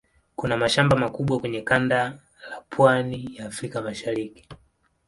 Kuna mashamba makubwa kwenye kanda la pwani ya Afrika ya Mashariki.